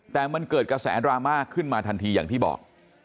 แต่มันเกิดกระแสดราม่าขึ้นมาทันทีอย่างที่บอก